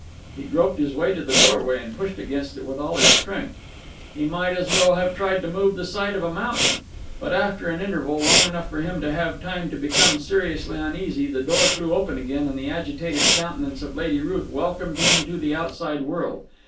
He groped his way to the doorway and pushed against it with all his strength. He might as well have tried to move the side of a mountain. But, after an interval long enough for him to have time to become seriously uneasy, the door flew open again, and the agitated countenance of Lady Ruth welcomed him to the outside world.